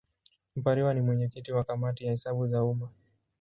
Mpariwa ni mwenyekiti wa Kamati ya Hesabu za Umma.